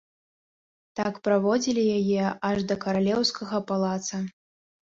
Так праводзілі яе аж да каралеўскага палаца.